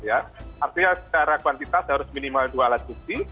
artinya secara kuantitas harus minimal dua alat bukti